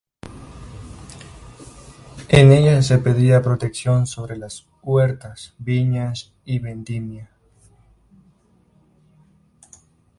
En ellas se pedía protección sobre las huertas, viñas y vendimia.